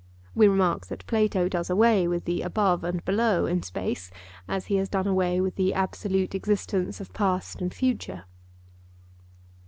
(We remark that Plato does away with the above and below in space, as he has done away with the absolute existence of past and future.)